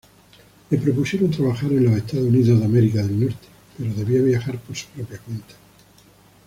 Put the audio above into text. Le propusieron trabajar en los Estados Unidos, pero debía viajar por su propia cuenta.